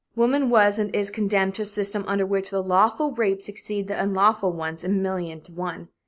Woman was and is condemned to a system under which the lawful rapes exceed the unlawful ones a million to one.